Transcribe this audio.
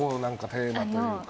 テーマというか。